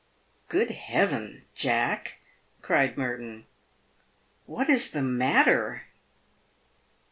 " Good Heaven, Jack!" cried Merton, "what is the matter?"